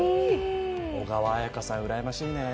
小川彩佳さん、うらやましいね。